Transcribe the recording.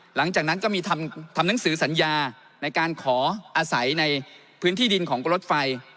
หลังจากนั้นก็มีทำหนังสือสัญญาในการขออาศัยในพื้นที่ดินของรถไฟ